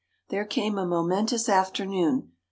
There came a momentous afternoon.